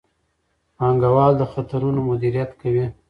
پانګوال د خطرونو مدیریت کوي.